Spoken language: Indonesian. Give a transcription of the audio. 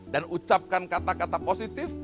dan ucapkan kata kata positif